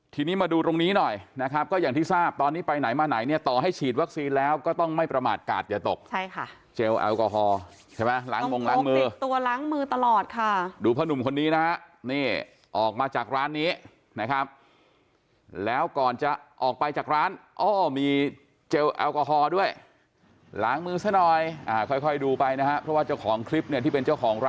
ทีนี้มาดูตรงนี้หน่อยนะครับก็อย่างที่ทราบตอนนี้ไปไหนมาไหนเนี่ยต่อให้ฉีดวัคซีนแล้วก็ต้องไม่ประมาทกาศอย่าตกใช่ค่ะเจลแอลกอฮอลใช่ไหมล้างมงล้างมือตัวล้างมือตลอดค่ะดูพ่อหนุ่มคนนี้นะฮะนี่ออกมาจากร้านนี้นะครับแล้วก่อนจะออกไปจากร้านอ้อมีเจลแอลกอฮอล์ด้วยล้างมือซะหน่อยอ่าค่อยค่อยดูไปนะฮะเพราะว่าเจ้าของคลิปเนี่ยที่เป็นเจ้าของร